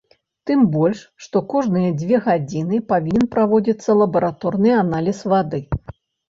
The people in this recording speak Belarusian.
Тым больш што кожныя дзве гадзіны павінен праводзіцца лабараторны аналіз вады.